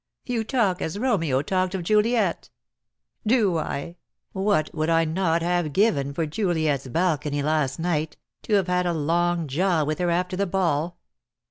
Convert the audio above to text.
"You talk as Romeo talked of Juliet." "Do I? What would I not have given for Juliet's balcony last night — to have had a long jaw with her after the ball?"